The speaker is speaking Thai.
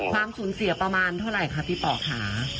ความสูญเสียประมาณเท่าไหร่คะพี่ป๋อค่ะ